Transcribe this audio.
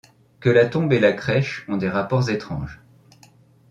Que la tombe et la crèche ont des rapports étranges